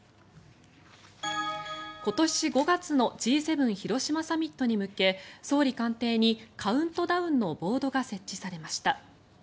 今年５月のＧ７広島サミットに向け総理官邸にカウントダウンのボードが設置されました。